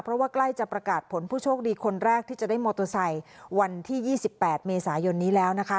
เพราะว่าใกล้จะประกาศผลผู้โชคดีคนแรกที่จะได้มอเตอร์ไซค์วันที่๒๘เมษายนนี้แล้วนะคะ